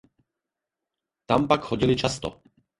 Tam pak chodili často.